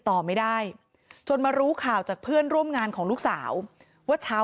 ต่อไม่ได้จนมารู้ข่าวจากเพื่อนร่วมงานของลูกสาวว่าเช้า